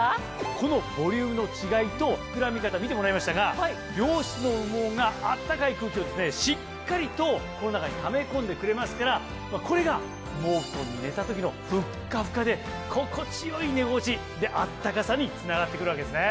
このボリュームの違いと膨らみ方見てもらいましたが良質の羽毛が暖かい空気をしっかりとこの中にため込んでくれますからこれが羽毛ふとんに寝た時のフッカフカで心地良い寝心地暖かさにつながってくるわけですね。